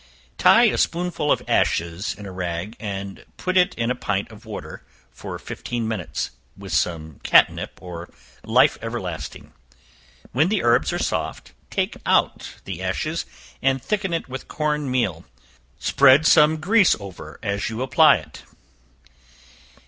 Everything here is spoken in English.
Tie a spoonful of ashes in a rag, and boil it in a pint of water for fifteen minutes, with some catnip or life everlasting; when the herbs are soft, take out the ashes, and thicken it with corn meal; spread some grease over as you apply it.